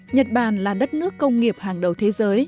nhật bản là đất nước công nghiệp hàng đầu thế giới